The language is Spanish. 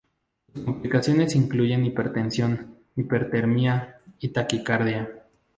Sus complicaciones incluyen hipertensión, hipertermia y taquicardia.